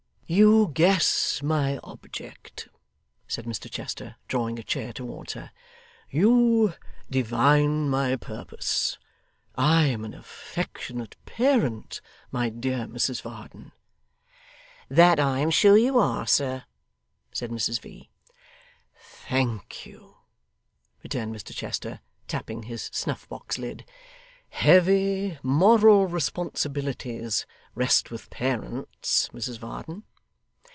'You guess my object?' said Mr Chester, drawing a chair towards her. 'You divine my purpose? I am an affectionate parent, my dear Mrs Varden.' 'That I am sure you are, sir,' said Mrs V. 'Thank you,' returned Mr Chester, tapping his snuff box lid. 'Heavy moral responsibilities rest with parents, Mrs Varden.